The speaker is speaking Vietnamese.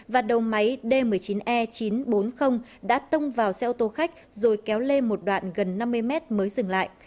và đầu máy d một mươi chín e chín trăm bốn mươi đã tông vào xe ô tô khách rồi kéo lên một đoạn gần năm mươi mét mới dừng lại